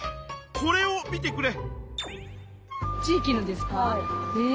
これを見てくれ。